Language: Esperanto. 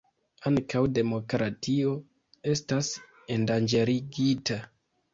Ankaŭ demokratio estas endanĝerigita.